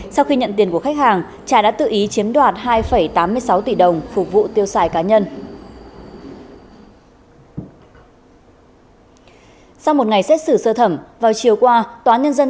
sau khi nhận tiền của khách hàng trà đã tự ý chiếm đoạt hai tám mươi sáu tỷ đồng phục vụ tiêu xài cá nhân